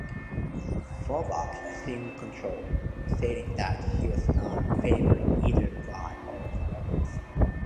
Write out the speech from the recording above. Foveaux assumed control, stating that he was not favouring either Bligh or the rebels.